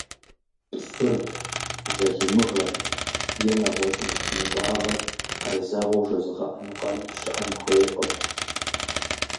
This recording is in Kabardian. ПцӀыр, залымыгъэр е нэгъуэщӀ мыхъумыщӀагъэр къезэгъыу жозыгъэӀэн къару щыӀэн хуейкъым.